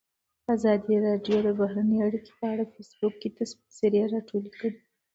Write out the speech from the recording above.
ازادي راډیو د بهرنۍ اړیکې په اړه د فیسبوک تبصرې راټولې کړي.